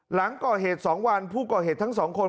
หลังก่อเหตุ๒วันผู้ก่อเหตุทั้งสองคน